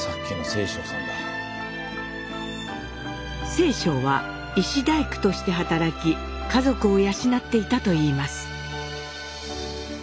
正鐘は石大工として働き家族を養っていたといいます。